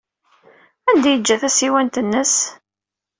Anda ay yeǧǧa tasiwant-nnes?